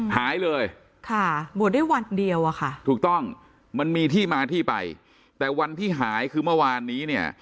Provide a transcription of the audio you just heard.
หายเลยบวชได้วันเดียวมันมีที่มาที่ไปแต่วันที่หายคือเมื่อวานนี้